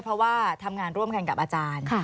เพราะว่าทำงานร่วมกันกับอาจารย์